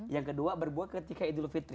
yang kedua berbuat ketika idul fitri